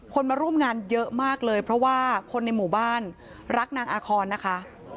มาร่วมงานเยอะมากเลยเพราะว่าคนในหมู่บ้านรักนางอาคอนนะคะ